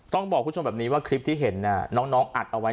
ต้องบอกคุณผู้ชมแบบนี้ว่าคลิปที่เห็นน้องอัดเอาไว้